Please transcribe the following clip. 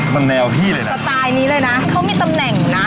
มันแนวพี่เลยนะสไตล์นี้เลยนะเขามีตำแหน่งนะ